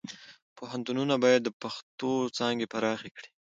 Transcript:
پوهنتونونه باید د پښتو څانګې پراخې کړي.